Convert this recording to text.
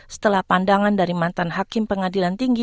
setelah pandangan dari mantan hakim pengadilan tinggi